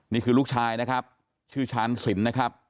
นี่คือลูกชายนะครับชื่อชาญสินนะครับ